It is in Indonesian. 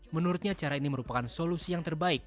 menurutnya cara ini merupakan solusi yang terbaik